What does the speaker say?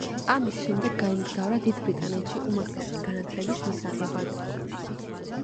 ამის შემდეგ გაემგზავრა დიდ ბრიტანეთში უმაღლესი განათლების მისაღებად.